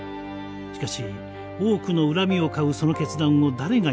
しかし多くの恨みを買うその決断を誰が言いだすのか。